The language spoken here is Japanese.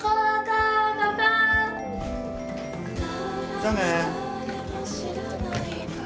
じゃあね。